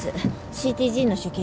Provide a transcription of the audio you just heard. ＣＴＧの所見は？